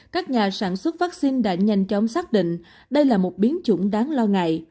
các nhà sản xuất vắc xin đã nhanh chóng xác định đây là một biến chủng đáng lo ngại